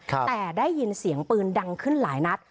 แต่ได้ยินเสียงปืนดังขึ้นหลายนัด